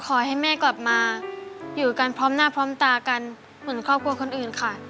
ขอให้แม่กลับมาอยู่กันพร้อมหน้าพร้อมตากันเหมือนครอบครัวคนอื่นค่ะ